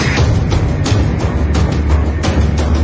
เขาก็วิ่งมาหาผมครับก็คือว่า